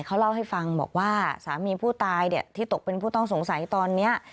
เขาเล่าให้ฟังบอกว่าสามีผู้ตายที่ตกเป็นผู้ต้องสงสัยตอนนี้